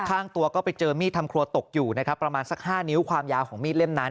ข้างตัวก็ไปเจอมีดทำครัวตกอยู่นะครับประมาณสัก๕นิ้วความยาวของมีดเล่มนั้น